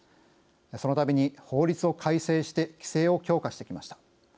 そのたびに法律を改正して規制を強化してきました。